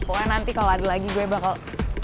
pokoknya nanti kalau ada lagi gue bakal